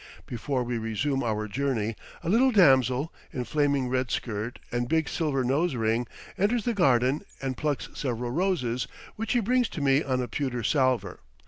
Before we resume our journey a little damsel, in flaming red skirt and big silver nose ring, enters the garden and plucks several roses, which she brings to me on a pewter salver.